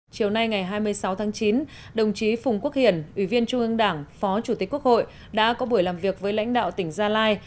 chiều nay ngày hai mươi sáu tháng chín đồng chí phùng quốc hiển ủy viên trung ương đảng phó chủ tịch quốc hội đã có buổi làm việc với lãnh đạo tỉnh gia lai